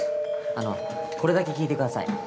あの、これだけ聞いてください。